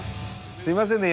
すいませんね